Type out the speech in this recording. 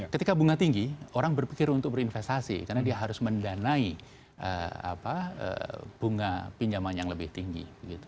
ketika bunga tinggi orang berpikir untuk berinvestasi karena dia harus mendanai bunga pinjaman yang lebih tinggi